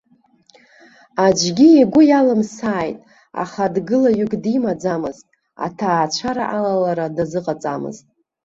Аӡәгьы игәы иалымсааит, аха дгылаҩык димаӡамызт, аҭаацәара алалара дазыҟаҵамызт.